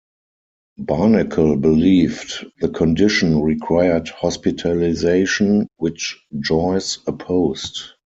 Barnacle believed the condition required hospitalisation, which Joyce opposed.